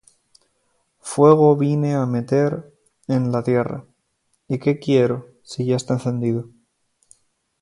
Fuego vine á meter en la tierra: ¿y qué quiero, si ya está encendido?